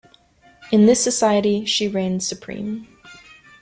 In this society, she reigns supreme.